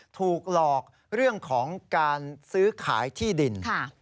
ถูกหลอกเรื่องของการซื้อขายที่ดิน